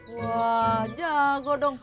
wah jago dong